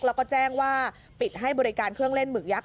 แล้วก็แจ้งว่าปิดให้บริการเครื่องเล่นหมึกยักษ